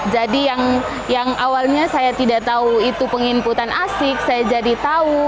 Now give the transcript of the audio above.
jadi yang awalnya saya tidak tahu itu penginputan asik saya jadi tahu